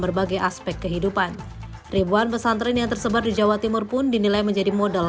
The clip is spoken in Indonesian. berbagai aspek kehidupan ribuan pesantren yang tersebar di jawa timur pun dinilai menjadi model